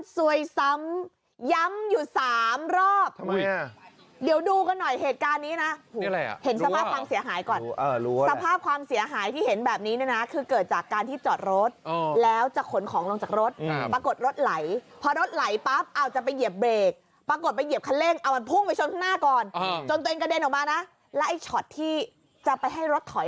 สวยซ้ำสวยซ้อนสวยซ้ำ